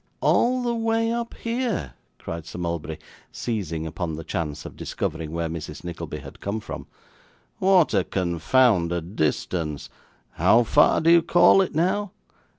'All the way up here!' cried Sir Mulberry, seizing upon the chance of discovering where Mrs. Nickleby had come from. 'What a confounded distance! How far do you call it now?